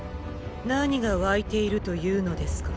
何が湧いているというのですか。